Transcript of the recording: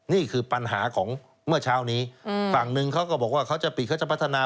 นี่คือปัญหาของเมื่อเช้านี้ฝั่งหนึ่งเขาก็บอกว่าเขาจะปิดเขาจะพัฒนา